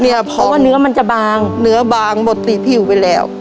เพราะว่าเนื้อมันจะบางเนื้อบางหมดติดผิวไปแล้ว